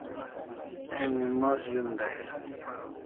Emi mos zun dai